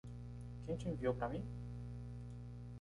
Quem te enviou para mim?